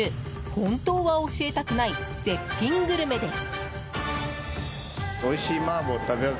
本当は教えたくない絶品グルメです。